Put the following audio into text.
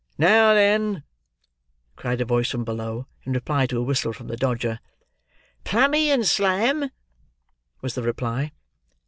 "Now, then!" cried a voice from below, in reply to a whistle from the Dodger. "Plummy and slam!" was the reply.